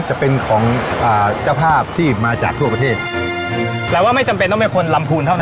จะเป็นของอ่าเจ้าภาพที่มาจากทั่วประเทศแต่ว่าไม่จำเป็นต้องเป็นคนลำพูนเท่านั้น